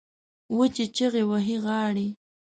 وچې چیغې وهي غاړې